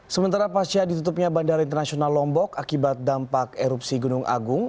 sementara pasca ditutupnya bandara internasional lombok akibat dampak erupsi gunung agung